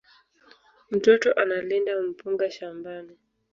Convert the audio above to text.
Mtoto analinda mpunga shambani